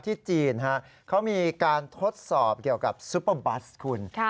จีนเขามีการทดสอบเกี่ยวกับซุปเปอร์บัสคุณ